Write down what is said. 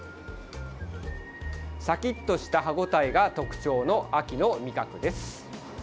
シャキッとした歯ごたえが特徴の秋の味覚です。